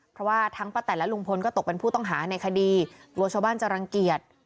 เพราะว่าทั้งป้าแต่นและลุงพลก็ตกเป็นผู้ต้องหาในคดีกลัวชาวบ้านจะรังเกียจ